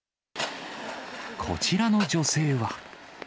こちらの女性は。